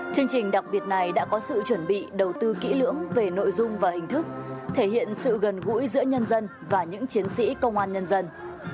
chương trình đặc biệt này đã có sự chuẩn bị đầu tư kỹ lưỡng về nội dung và hình thức thể hiện sự gần gũi giữa nhân dân và những chiến sĩ công an nhân dân